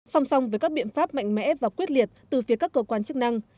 song song với các biện pháp mạnh mẽ và quyết liệt từ phía các cơ quan chức năng